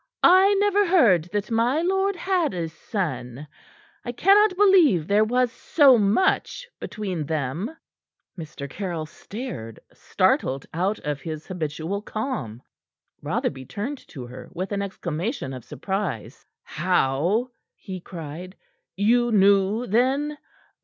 "I never heard that my lord had a son; I cannot believe there was so much between them." Mr. Caryll stared, startled out of his habitual calm. Rotherby turned to her with an exclamation of surprise. "How?" he cried. "You knew, then?